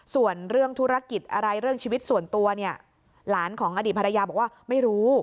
ส่วนเรื่องธุรกิจอะไรเรื่องชีวิตส่วนตัวเนี่ยหลานของอดีตภรรยาบอกว่าไม่รู้